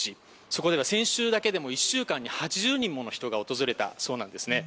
そこでは先週だけでも１週間に８０人もの人が訪れたそうなんです。